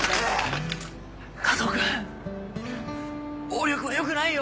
和男君暴力はよくないよ。